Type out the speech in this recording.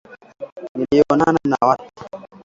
nilionana na watu